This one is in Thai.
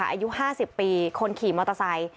อายุ๕๐ปีคนขี่มอเตอร์ไซค์